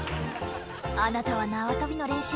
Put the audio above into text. あなたは縄跳びの練習